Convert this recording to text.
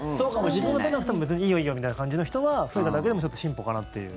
自分は取らなくても別にいいよ、いいよみたいな感じの人が増えただけでもちょっと進歩かなっていう。